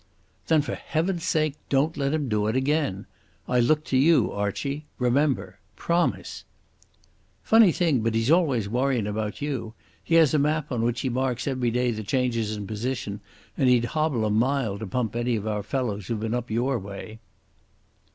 "Then for Heaven's sake don't let him do it again. I look to you, Archie, remember. Promise." "Funny thing, but he's always worryin' about you. He has a map on which he marks every day the changes in the position, and he'd hobble a mile to pump any of our fellows who have been up your way."